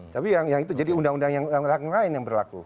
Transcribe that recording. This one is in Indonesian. tapi yang itu jadi undang undang yang lain yang berlaku